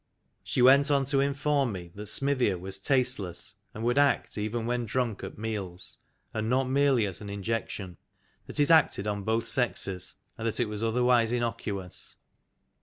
She went on to inform me that Smithia was tasteless, and would act even when drunk at meals, and not merely as an injection, that it acted on both sexes, and that it was otherwise innocuous.